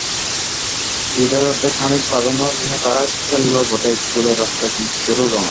দ্বিতীয়ার্ধে খানিক প্রাধান্য নিয়ে তারা খেলল বটে, গোলের রাস্তা কিন্তু বেরোল না।